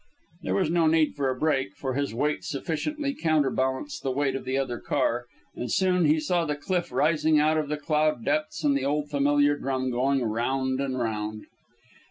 There was no need for a brake, for his weight sufficiently counterbalanced the weight in the other car; and soon he saw the cliff rising out of the cloud depths and the old familiar drum going round and round.